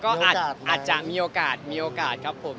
ก็อาจจะมีโอกาสมีโอกาสครับผม